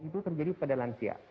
itu terjadi pada lansia